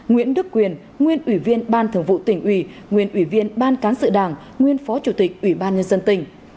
nguyễn đức quyền nguyên ủy viên ban thường vụ tỉnh ủy nguyên ủy viên ban cán sự đảng nguyên phó chủ tịch ủy ban nhân dân tỉnh